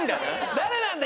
誰なんだ？